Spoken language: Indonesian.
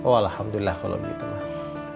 walhamdulillah kalau begitu pak